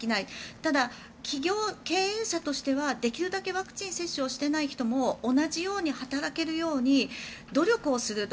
ただ、企業経営者としてはできるだけワクチン接種をしていない人も同じように働けるように努力をすると。